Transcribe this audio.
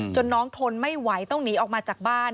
น้องทนไม่ไหวต้องหนีออกมาจากบ้าน